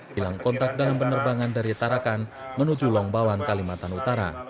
hilang kontak dalam penerbangan dari tarakan menuju longbawan kalimantan utara